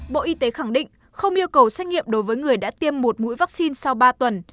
bộ y tế khẳng định không yêu cầu xét nghiệm đối với người đã tiêm một mũi vaccine sau ba tuần